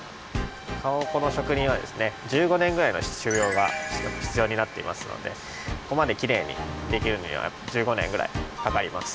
かまぼこのしょくにんはですね１５年ぐらいのしゅぎょうがひつようになっていますのでここまできれいにできるには１５年ぐらいかかります。